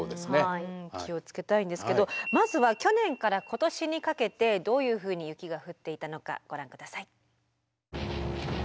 気を付けたいんですけどまずは去年から今年にかけてどういうふうに雪が降っていたのかご覧ください。